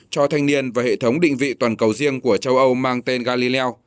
cho thanh niên và hệ thống định vị toàn cầu riêng của châu âu mang tên galile